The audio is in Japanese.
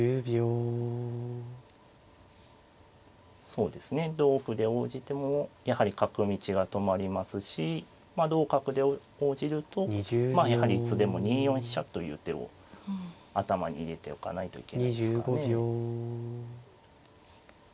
そうですね同歩で応じてもやはり角道が止まりますし同角で応じるとまあやはりいつでも２四飛車という手を頭に入れておかないといけないですからね。